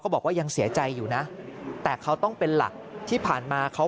บอกว่ายังเสียใจอยู่นะแต่เขาต้องเป็นหลักที่ผ่านมาเขา